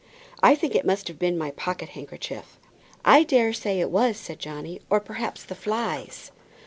I think it must have been my pocket handkerchief." "I daresay it was," said Johnny; "or perhaps the flies."